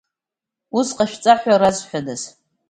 Ус ҟашәҵа ҳәа разҳәадаз?